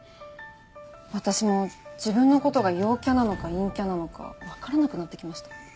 私も自分の事が陽キャなのか陰キャなのかわからなくなってきました。